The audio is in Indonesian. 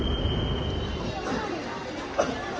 pertugas saat perayaan lebaran